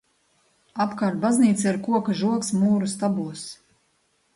Apkārt baznīcai ir koka žogs mūra stabos.